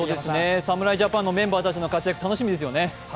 侍ジャパンのメンバーたちの活躍、楽しみですよね。